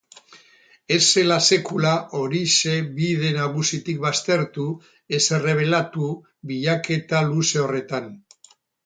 Ez zela sekula Orixe bide nagusitik baztertu ez errebelatu bilaketa luze horretan.